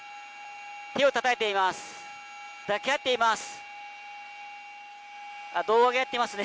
手をたたいています。